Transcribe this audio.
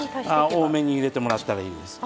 多めに入れてもらったらいいです。